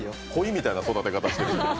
鯉みたいな育て方してる。